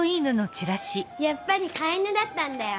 やっぱりかい犬だったんだよ。